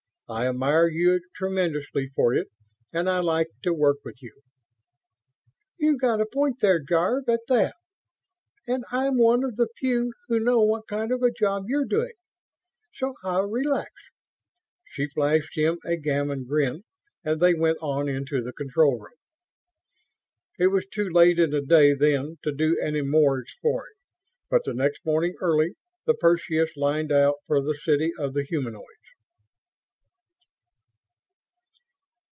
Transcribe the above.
I admire you tremendously for it and I like to work with you." "You've got a point there, Jarve, at that, and I'm one of the few who know what kind of a job you're doing, so I'll relax." She flashed him a gamin grin and they went on into the control room. It was too late in the day then to do any more exploring; but the next morning, early, the Perseus lined out for the city of the humanoids.